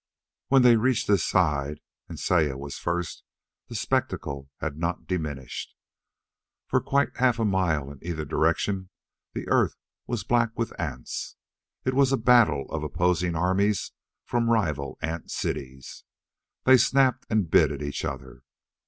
When they reached his side and Saya was first the spectacle had not diminished. For quite half a mile in either direction the earth was black with ants. It was a battle of opposing armies from rival ant cities. They snapped and bit at each other.